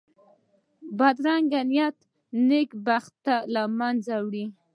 بدرنګه نیت نېک بختي له منځه وړي